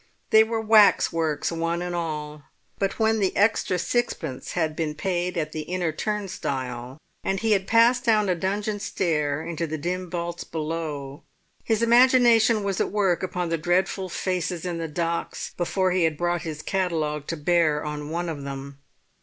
They were waxworks one and all. But when the extra sixpence had been paid at the inner turnstile, and he had passed down a dungeon stair into the dim vaults below, his imagination was at work upon the dreadful faces in the docks before he had brought his catalogue to bear on one of them.